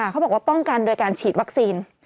เขาบอกว่าป้องกันโดยการฉีดวัคซีน